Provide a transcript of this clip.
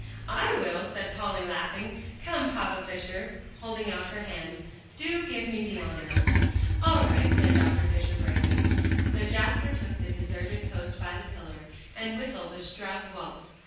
"I will," said Polly, laughing. "Come, Papa Fisher," holding out her hand, "do give me the honor." "All right," said Dr. Fisher bravely. So Jasper took the deserted post by the pillar, and whistled a Strauss waltz.